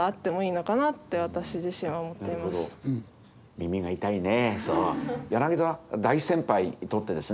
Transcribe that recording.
耳が痛いね。